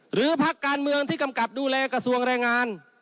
พักการเมืองที่กำกับดูแลกระทรวงแรงงาน